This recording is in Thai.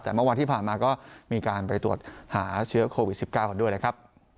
แต่เมื่อวานที่ผ่านมาก็มีการไปตรวจหาเชื้อโควิด๑๙กันด้วยนะครับ